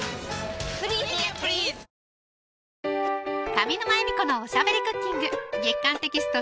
上沼恵美子のおしゃべりクッキング月刊テキスト